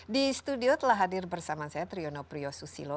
di studio telah hadir bersama saya triyono priyosusilo